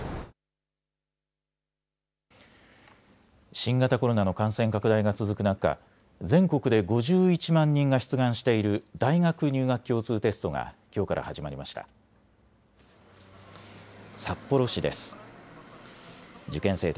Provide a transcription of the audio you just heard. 新型コロナの感染拡大が続く中全国で５１万人が出願している大学入学共通テストがきょうから始まりました。